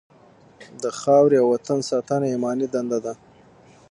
د خاورې او وطن ساتنه ایماني دنده ده.